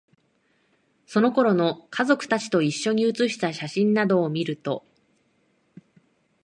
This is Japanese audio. その頃の、家族達と一緒に写した写真などを見ると、